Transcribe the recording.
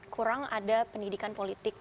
kurang ada pendidikan politik